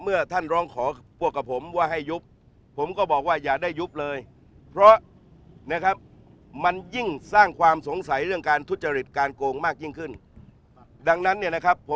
เมื่อท่านร้องขอพวกกับผมว่าให้ยุบ